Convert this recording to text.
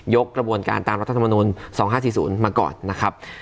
ยกกระบวนการตามรัฐมนตรี๒๕๔๐มาก่อนนะครับ